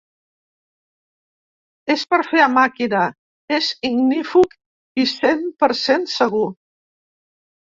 Es pot fer a màquina, és ignífug i cent per cent segur.